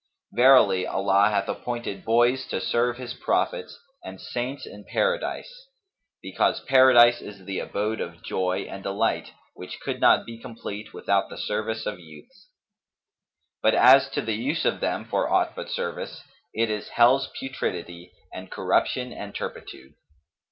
Verily Allah hath appointed boys to serve his prophets and saints in Paradise, because Paradise is the abode of joy and delight, which could not be complete without the service of youths; but, as to the use of them for aught but service, it is Hell's putridity[FN#248] and corruption and turpitude.